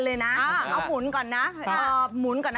เออ